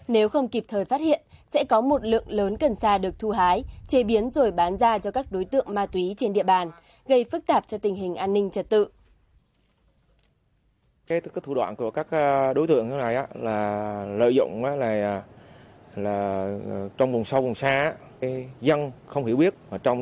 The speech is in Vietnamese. nếu không kịp thời phát hiện sẽ có một lượng lớn cần xa được thu hái chế biến rồi bán ra cho các đối tượng ma túy trên địa bàn gây phức tạp cho tình hình an ninh trật tự